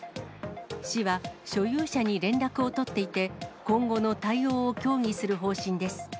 市は所有者に連絡を取っていて、今後の対応を協議する方針です。